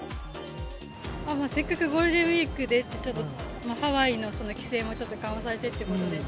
せっかくゴールデンウィークで、ちょっと、ハワイの規制もちょっと緩和されてってことで。